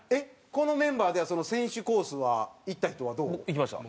このメンバーではその選手コースはいった人はどう？いきました。